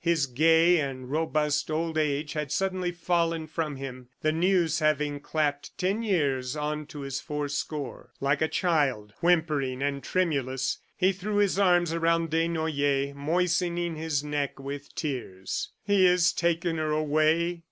His gay and robust old age had suddenly fallen from him, the news having clapped ten years on to his four score. Like a child, whimpering and tremulous, he threw his arms around Desnoyers, moistening his neck with tears. "He has taken her away!